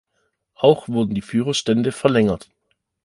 Auch wurden die Führerstände verlängert.